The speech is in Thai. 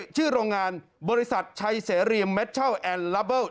ชื่อโรงงานบริษัทชัยเสรีแมทเช่าแอนลาเบิล